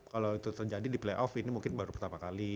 kalau itu terjadi di playoff ini mungkin baru pertama kali